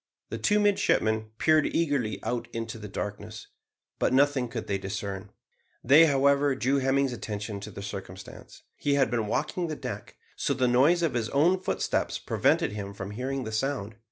The two midshipmen peered eagerly out into the darkness, but nothing could they discern. They, however, drew Hemming's attention to the circumstance. He had been walking the deck, so the noise of his own footsteps prevented him from hearing the sound.